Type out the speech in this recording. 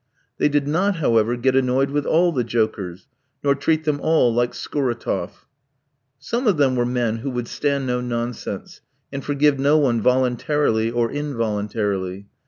They did not, however, get annoyed with all the jokers, nor treat them all like Scuratoff. Some of them were men who would stand no nonsense, and forgive no one voluntarily or involuntarily.